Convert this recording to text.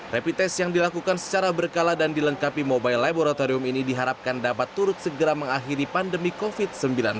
rapid test yang dilakukan secara berkala dan dilengkapi mobile laboratorium ini diharapkan dapat turut segera mengakhiri pandemi covid sembilan belas